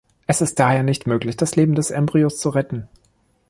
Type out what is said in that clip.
Es ist daher nicht möglich, das Leben des Embryos zu retten.